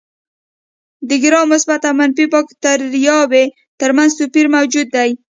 د ګرام مثبت او منفي باکتریاوو تر منځ توپیر موجود دی.